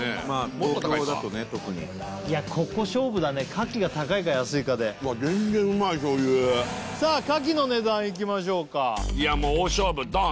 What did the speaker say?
もっと高いか東京だとね特にいやここ勝負だね牡蠣が高いか安いかでわっ全然うまい醤油さあ牡蠣の値段いきましょうかいやもう大勝負ドン！